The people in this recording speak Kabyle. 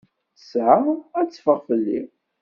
Ttesɛa ad teffeɣ fell-i.